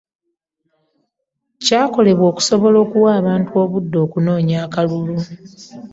Kyakolebwa okusobola okuwa abantu obudde okunoonya akalulu